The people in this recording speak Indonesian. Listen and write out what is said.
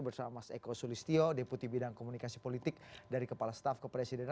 bersama mas eko sulistio deputi bidang komunikasi politik dari kepala staf kepresidenan